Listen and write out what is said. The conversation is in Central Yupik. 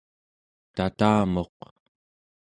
tatamuq